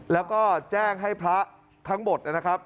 แล้วก็แจ้งให้พระทั้งหมดนะครับ